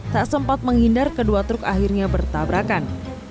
tak sempat menghindar kedua truk akhirnya bertabrakan